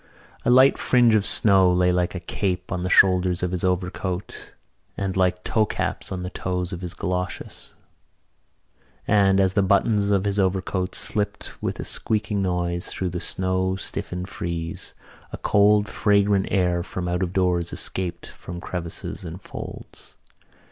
A light fringe of snow lay like a cape on the shoulders of his overcoat and like toecaps on the toes of his goloshes; and, as the buttons of his overcoat slipped with a squeaking noise through the snow stiffened frieze, a cold, fragrant air from out of doors escaped from crevices and folds.